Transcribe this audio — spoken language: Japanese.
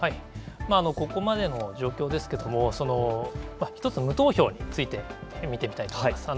ここまでの状況ですけれども、一つ無投票について、見てみたいと思います。